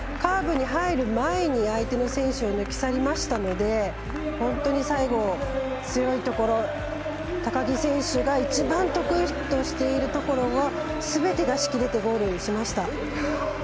あっという間に差が縮まってカーブに入る前に相手の選手を抜き去りましたので本当に最後強いところ、高木選手が一番得意としているところをすべて、出しきれてゴールしました。